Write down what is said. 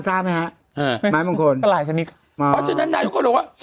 ทราบไหมฮะอ่าไม้มงคลก็หลายชนิดมาเพราะฉะนั้นนายกก็เลยบอกว่า